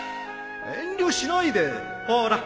遠慮しないでほら！